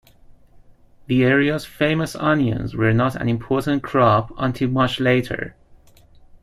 The area's famous onions were not an important crop until much later.